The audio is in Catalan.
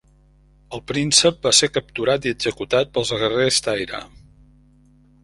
El príncep va ser capturat i executat pels guerrers Taira.